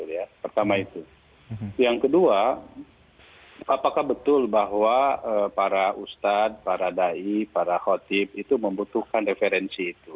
yang kedua apakah betul bahwa para ustadz para daib para kotip itu membutuhkan referensi itu